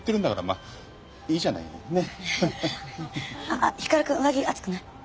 あっ光くん上着暑くない？